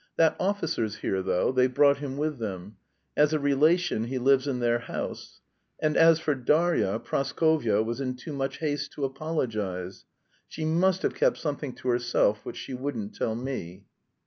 That officer's here though, they've brought him with them. As a relation he lives in their house. And, as for Darya, Praskovya was in too much haste to apologise. She must have kept something to herself, which she wouldn't tell me."